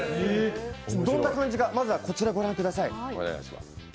どんな感じか、まずはこちらをご覧ください。